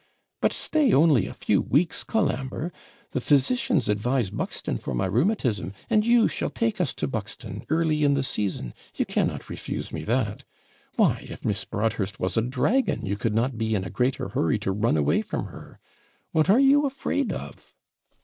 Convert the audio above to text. But stay only a few weeks, Colambre; the physicians advise Buxton for my rheumatism, and you shall take us to Buxton early in the season you cannot refuse me that. Why, if Miss Broadhurst was a dragon, you could not be in a greater hurry to run away from her. What are you afraid of?'